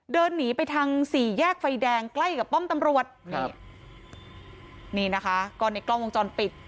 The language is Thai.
เดินหนีไปทางสี่แยกไฟแดงใกล้กับป้อมตำรวจนี่นี่นะคะก็ในกล้องวงจรปิด